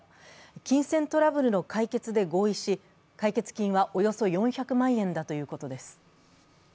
金銭トラブルの解決で合意し解決金はおよそ４００万円だということです。